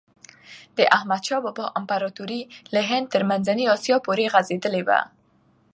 د احمد شاه بابا امپراتوري له هند تر منځنۍ آسیا پورې غځېدلي وه.